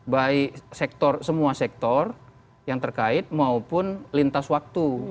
baik semua sektor yang terkait maupun lintas waktu